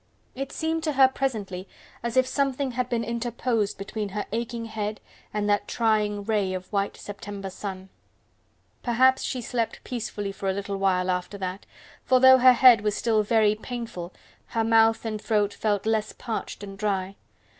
It seemed to her presently as if something had been interposed between her aching head and that trying ray of white September sun. Perhaps she slept peacefully for a little while after that, for though her head was still very painful, her mouth and throat felt less parched and dry.